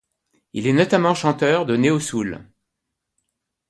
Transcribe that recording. Il est notamment chanteur de néo-soul.